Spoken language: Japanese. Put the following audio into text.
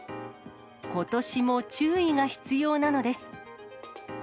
ことしも注意が必要なのです。